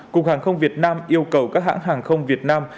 cục hàng không việt nam yêu cầu các hãng hàng không việt nam